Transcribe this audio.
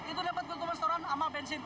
itu dapat ketutupan storan sama bensin